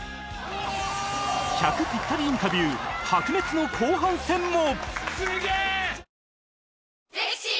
１００ピッタリインタビュー白熱の後半戦も！